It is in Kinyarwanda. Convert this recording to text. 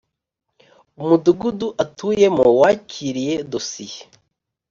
Umudugudu atuyemo wakiriye dosiye